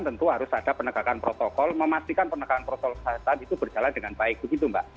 tentu harus ada penegakan protokol memastikan penegakan protokol kesehatan itu berjalan dengan baik begitu mbak